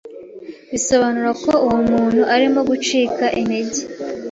bisobanura ko uwo muntu arimo gucika intege